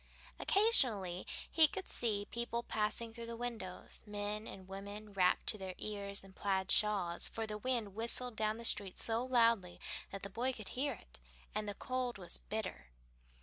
Occasionally he could see people passing the windows: men and women wrapped to their ears in plaid shawls, for the wind whistled down the street so loudly that the boy could hear it, and the cold was bitter.